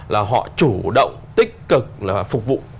là họ chủ động tích cực là phục vụ